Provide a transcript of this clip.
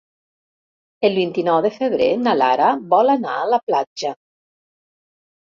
El vint-i-nou de febrer na Lara vol anar a la platja.